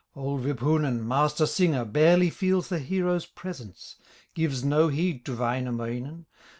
Old Wipunen, master singer, Barely feels the hero's presence, Gives no heed to Wainamoinen.